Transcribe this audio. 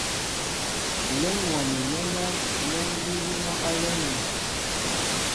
Ǹlə́ ḿ wɔ mi nɛ́nɛ́ nɛ́ ńdííbí mɔ́ álɛ́ɛ́ myēŋ.